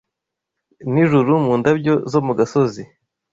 n'ijuru mu ndabyo zo mu gasozi